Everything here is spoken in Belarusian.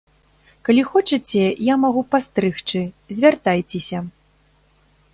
Калі хочаце, я магу пастрыгчы, звяртайцеся!